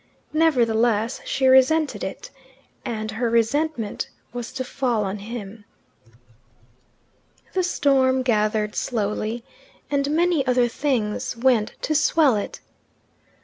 Nevertheless she resented it, and her resentment was to fall on him. The storm gathered slowly, and many other things went to swell it.